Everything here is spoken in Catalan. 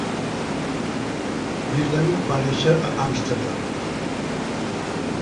Willem va néixer a Amsterdam.